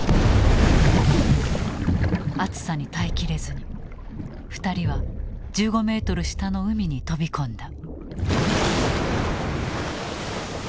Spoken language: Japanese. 熱さに耐え切れずに２人は１５メートル下の海に飛び込んだ。